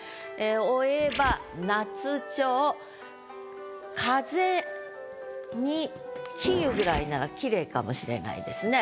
「追えば夏蝶風に消ゆ」ぐらいならきれいかもしれないですね。